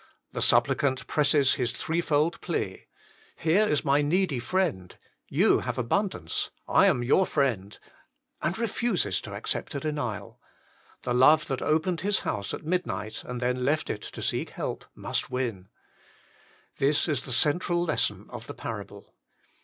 The supplicant presses his threefold plea : here is my needy friend, you have abundance, I am your friend ; and refuses to accept a denial. The love that opened his house at mid night, and then left it to seek help, must win. This is the central lesson of the parable.